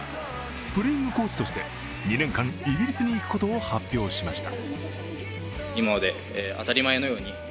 プレーイングコーチとして２年間イギリスに行くことを発表しました。